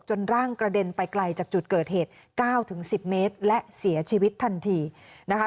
ร่างกระเด็นไปไกลจากจุดเกิดเหตุ๙๑๐เมตรและเสียชีวิตทันทีนะคะ